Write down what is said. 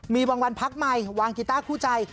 มีบางวันพักใหม่วางกีต้าคู่ใจ